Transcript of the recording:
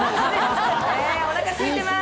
おなか空いてます。